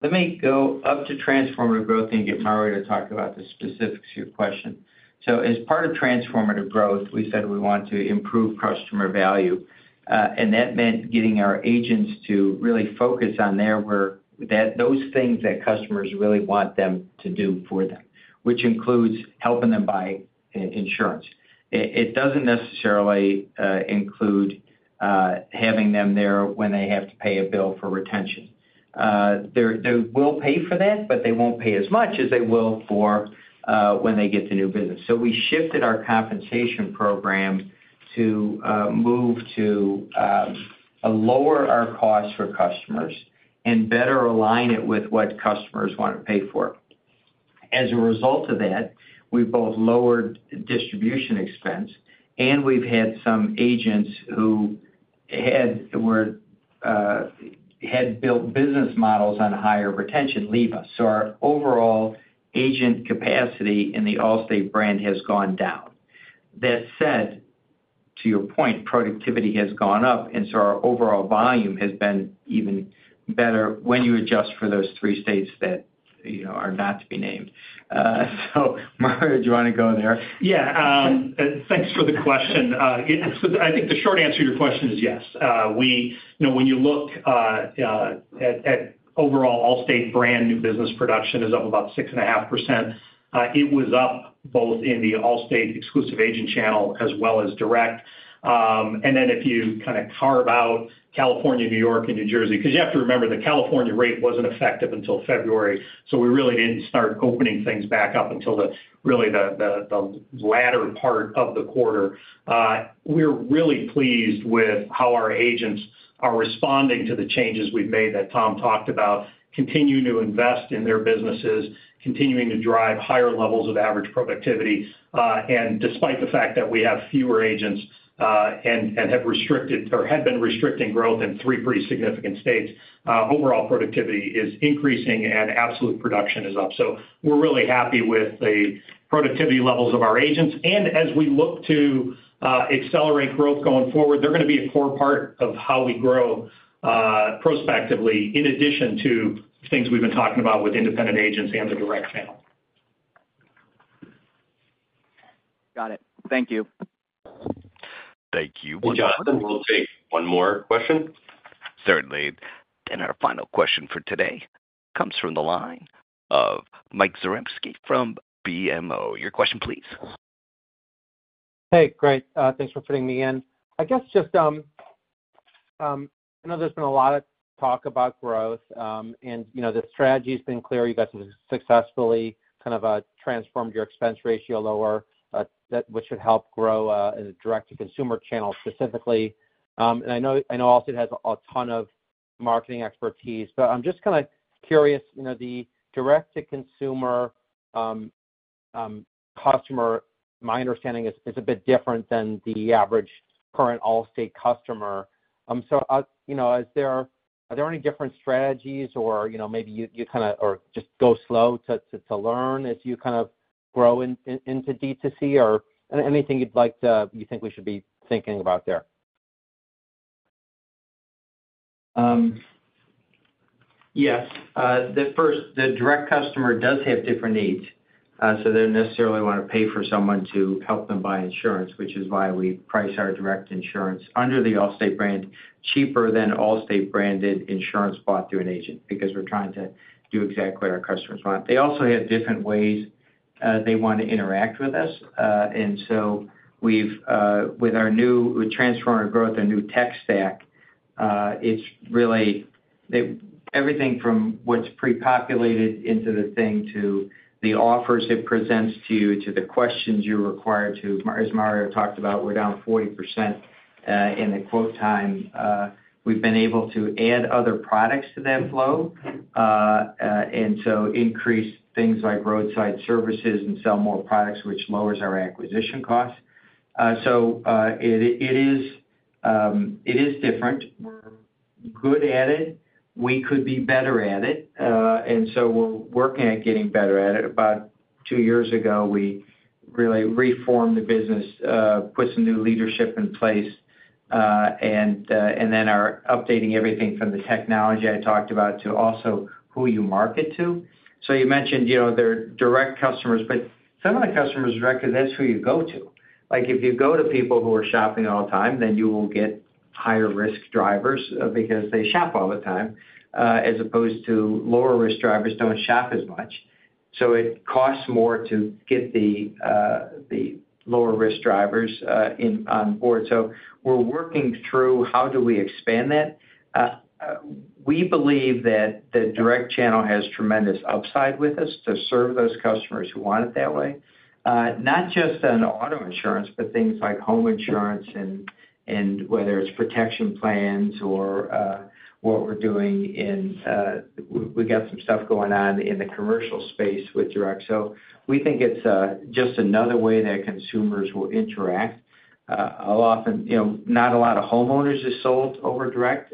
Let me go up to Transformative Growth and get Mario to talk about the specifics of your question. So as part of Transformative Growth, we said we want to improve customer value, and that meant getting our agents to really focus on where those things that customers really want them to do for them, which includes helping them buy insurance. It doesn't necessarily include having them there when they have to pay a bill for retention. They will pay for that, but they won't pay as much as they will for when they get to new business. So we shifted our compensation program to lower our costs for customers and better align it with what customers want to pay for. As a result of that, we both lowered distribution expense, and we've had some agents who had built business models on higher retention leave us. So our overall agent capacity in the Allstate brand has gone down. That said, to your point, productivity has gone up, and so our overall volume has been even better when you adjust for those three states that, you know, are not to be named. So Mario, do you want to go there? Yeah, thanks for the question. So I think the short answer to your question is yes. We-- you know, when you look at overall Allstate brand, new business production is up about 6.5%. It was up both in the Allstate exclusive agent channel as well as direct. And then if you kind of carve out California, New York, and New Jersey, 'cause you have to remember, the California rate wasn't effective until February, so we really didn't start opening things back up until really the latter part of the quarter. We're really pleased with how our agents are responding to the changes we've made that Tom talked about, continuing to invest in their businesses, continuing to drive higher levels of average productivity. Despite the fact that we have fewer agents and have restricted or had been restricting growth in three pretty significant states, overall productivity is increasing and absolute production is up. So we're really happy with the productivity levels of our agents, and as we look to accelerate growth going forward, they're gonna be a core part of how we grow prospectively, in addition to things we've been talking about with independent agents and the direct channel. Got it. Thank you. Thank you. Hey, Jonathan, we'll take one more question. Certainly. Our final question for today comes from the line of Mike Zaremski from BMO. Your question please. Hey, great. Thanks for putting me in. I guess just, I know there's been a lot of talk about growth, and, you know, the strategy's been clear. You guys have successfully kind of transformed your expense ratio lower, that, which should help grow in the direct-to-consumer channel specifically. And I know, I know Allstate has a ton of marketing expertise, but I'm just kind of curious, you know, the direct-to-consumer customer, my understanding is a bit different than the average current Allstate customer. So, you know, is there any different strategies or, you know, maybe you kind of or just go slow to learn as you kind of grow into D2C, or anything you'd like to you think we should be thinking about there? Yes. The first, the direct customer does have different needs, so they don't necessarily want to pay for someone to help them buy insurance, which is why we price our direct insurance under the Allstate brand, cheaper than Allstate branded insurance bought through an agent, because we're trying to do exactly what our customers want. They also have different ways, they want to interact with us. And so we've, with our new. We transformed our growth, our new tech stack, it's really, they, everything from what's pre-populated into the thing to the offers it presents to you, to the questions you're required to, as Mario talked about, we're down 40%, in the quote time. We've been able to add other products to that flow, and so increase things like roadside services and sell more products, which lowers our acquisition costs. So, it is different. We're good at it. We could be better at it. And so we're working at getting better at it. About two years ago, we really reformed the business, put some new leadership in place, and then are updating everything from the technology I talked about to also who you market to. So you mentioned, you know, they're direct customers, but some of the customers direct, that's who you go to. Like, if you go to people who are shopping all the time, then you will get higher risk drivers, because they shop all the time, as opposed to lower risk drivers don't shop as much. So it costs more to get the lower risk drivers on board. So we're working through how do we expand that. We believe that the direct channel has tremendous upside with us to serve those customers who want it that way. Not just on auto insurance, but things like home insurance and whether it's protection plans or what we're doing in, we got some stuff going on in the commercial space with direct, so we think it's just another way that consumers will interact. I'll often, you know, not a lot of homeowners is sold over direct.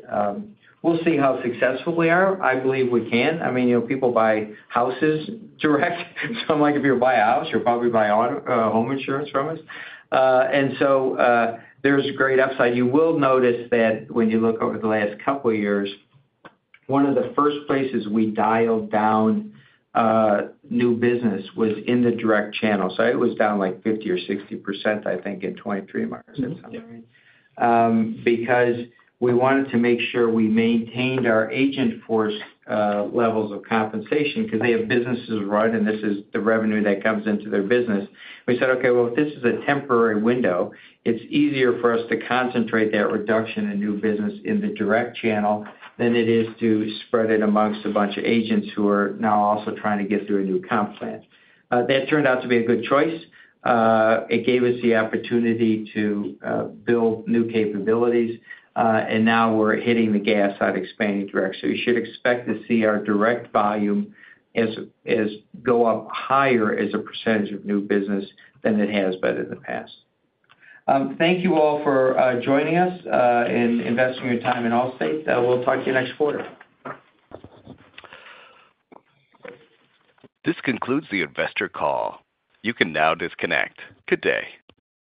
We'll see how successful we are. I believe we can. I mean, you know, people buy houses direct, so I'm like, if you buy a house, you'll probably buy auto, home insurance from us. And so, there's great upside. You will notice that when you look over the last couple of years, one of the first places we dialed down new business was in the direct channel. So it was down like 50% or 60%, I think, in 2023, Mario. Is that something right? Yeah. Because we wanted to make sure we maintained our agent force levels of compensation, 'cause they have businesses to run, and this is the revenue that comes into their business. We said, "Okay, well, if this is a temporary window, it's easier for us to concentrate that reduction in new business in the direct channel than it is to spread it amongst a bunch of agents who are now also trying to get through a new comp plan." That turned out to be a good choice. It gave us the opportunity to build new capabilities, and now we're hitting the gas on expanding direct. So you should expect to see our direct volume as, as go up higher as a percentage of new business than it has been in the past. Thank you all for joining us and investing your time in Allstate. We'll talk to you next quarter. This concludes the investor call. You can now disconnect. Good day.